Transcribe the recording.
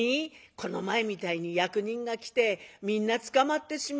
この前みたいに役人が来てみんな捕まってしまうがや」。